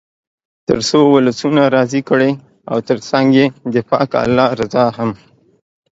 تر څو ولسونه راضي کړئ او تر څنګ یې د پاک الله رضا هم.